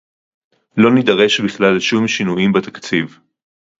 לא נידרש בכלל לשום שינויים בתקציב